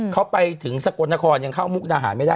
เขาไปถึงสกลนครยังเข้ามุกดาหารไม่ได้